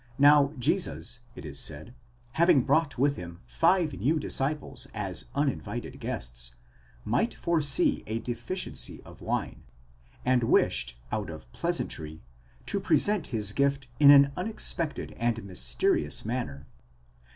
Now Jesus, it is said, having brought with him five new disciples as uninvited guests, might foresee a deficiency of wine, and wished out of pleasantry to present his gift in an unexpected and mysterious manner.